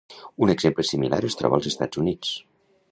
Un exemple similar es troba als Estats Units.